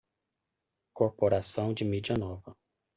Corporação de mídia nova